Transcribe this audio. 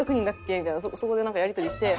みたいなそこでなんかやり取りして。